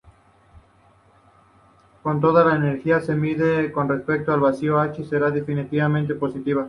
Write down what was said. Como todas las energías se miden con respecto al vacío, H será definitivamente positiva.